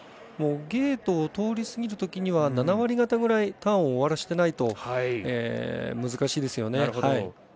ゲートを通り過ぎるときには７割方ぐらいターンを終わらせてないと難しいですよね。